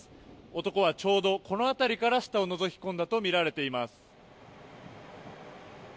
男はちょうどこの辺りから下をのぞき込んだとみられています。